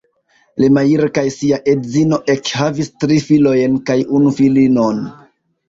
Lemaire kaj sia edzino ekhavis tri filojn kaj unu filinon.